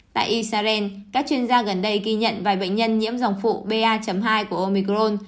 tại israel các chuyên gia gần đây ghi nhận vài bệnh nhân nhiễm dòng phụ ba hai của omicron